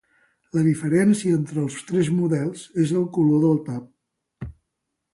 La diferència entre els tres models és el color del tap.